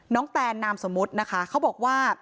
แตนนามสมมุตินะคะเขาบอกว่า